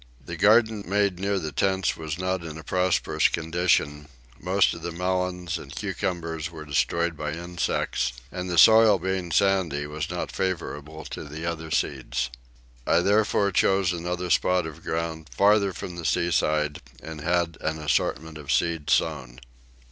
The garden made near the tents was not in a prosperous condition: most of the melons and cucumbers were destroyed by insects; and the soil being sandy was not favourable to the other seeds. I therefore chose another spot of ground farther from the seaside and had an assortment of seeds sown.